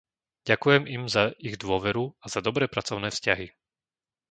Ďakujem im za ich dôveru a za dobré pracovné vzťahy.